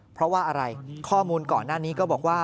เพราะว่าอะไรข้อมูลก่อนหน้านี้ก็บอกว่า